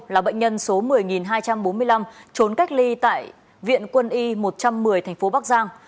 là bệnh nhân số một mươi hai trăm bốn mươi năm trốn cách ly tại viện quân y một trăm một mươi thành phố bắc giang